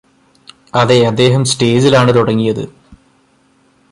അതെ അദ്ദേഹം സ്റ്റേജിലാണ് തുടങ്ങിയത്